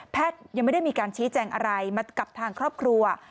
ยังไม่ได้มีการชี้แจงอะไรมากับทางครอบครัว